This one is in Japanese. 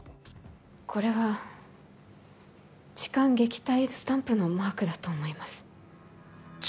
これは、痴漢撃退スタンプのマークだと思います。